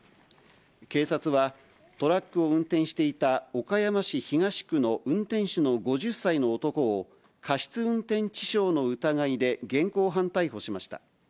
警察は、トラックを運転していた岡山市東区の運転手の５０歳の男を、過失運転致傷の疑いで現行犯逮捕しました。